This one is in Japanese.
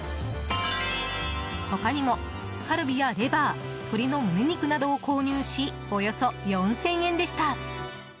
他にもカルビやレバー鶏のむね肉などを購入しおよそ４０００円でした。